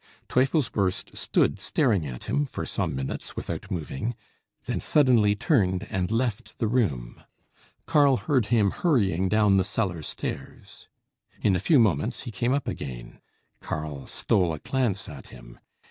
Teufelsbürst stood staring at him for some minutes without moving, then suddenly turned and left the room. Karl heard him hurrying down the cellar stairs. In a few moments he came up again. Karl stole a glance at him.